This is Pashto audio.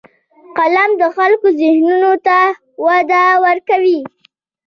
قلم د خلکو ذهنونو ته وده ورکوي